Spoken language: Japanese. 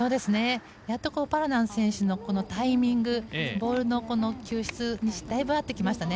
やっと、パラナン選手のタイミングボールの球質にだいぶ合ってきましたね。